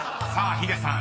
ヒデさん］